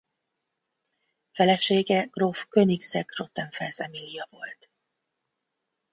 Felesége gróf Königsegg-Rottenfels Emília volt.